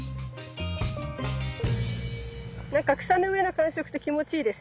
なんか草の上の感触って気持ちいいですね。